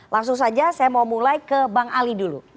langsung saja saya mau mulai ke bang ali dulu